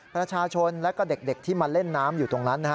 ประชาชนและก็เด็กที่มาเล่นน้ำอยู่ตรงนั้น